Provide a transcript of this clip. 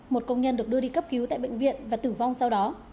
một công nhân được đưa đi cấp cứu tại bệnh viện và tử vong sau đó